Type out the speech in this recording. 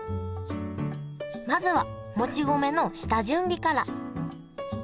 まずはもち米の下準備から。